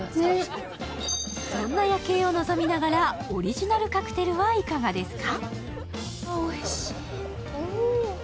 そんな夜景を望みながらオリジナルカクテルはいかがですか？